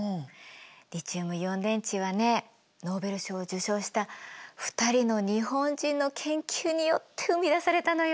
リチウムイオン電池はねノーベル賞を受賞した２人の日本人の研究によって生み出されたのよ。